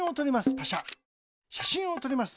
しゃしんをとります。